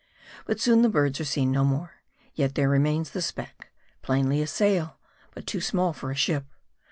But soon the birds are seen no more. Yet there remains the speck ; plainly a sail ; but too small for a ship.